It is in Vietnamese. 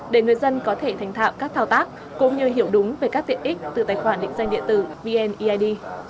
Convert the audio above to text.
để người dân có thể thành thạo các thao tác cũng như hiểu đúng về các tiện ích từ tài khoản định danh điện tử vneid